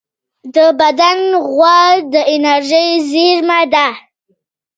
د بدن غوړ د انرژۍ زېرمه ده